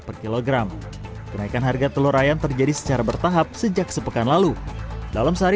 per kilogram kenaikan harga telur ayam terjadi secara bertahap sejak sepekan lalu dalam sehari